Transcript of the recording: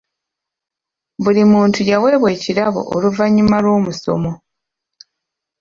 Buli muntu yaweebwa ekirabo oluvannyuma lw'omusomo.